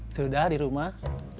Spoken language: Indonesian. sudah di rumah